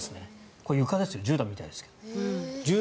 これ、床ですよじゅうたんみたいですけど。